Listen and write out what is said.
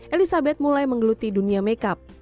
elizabeth mulai menggeluti dunia makeup